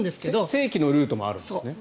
正規のルートもあるんですね。